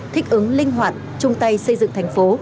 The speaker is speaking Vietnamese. thích ứng linh hoạt chung tay xây dựng thành phố